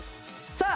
さあ